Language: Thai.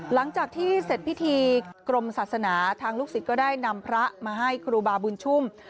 หลังจากที่เสร็จพิธีกรมศาสนาทางลูกศิษย์ก็ได้นำพระมาให้ครูบาบุญชุ่ม